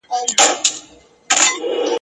په یوه تعویذ مي سم درته پر لار کړ ..